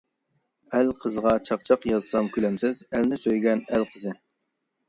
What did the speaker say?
ئەل قىزىغا چاقچاق يازسام كۈلەمسىز، ئەلنى سۆيگەن ئەل قىزى.